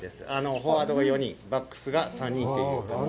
フォワードが４人、バックスが３人という。